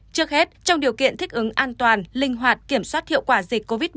trước hết trong điều kiện thích ứng an toàn linh hoạt kiểm soát hiệu quả dịch covid một mươi chín